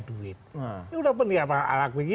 duit ini udah penuh ya pak ars mendi